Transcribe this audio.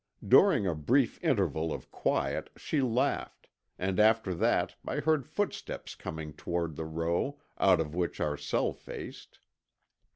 During a brief interval of quiet she laughed, and after that I heard footsteps coming toward the row, out of which our cell faced.